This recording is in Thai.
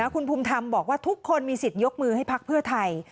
คุณภูมิธรรมบอกว่าทุกคนมีสิทธิ์ยกมือให้พักเพื่อไทย